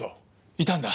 いたんだ？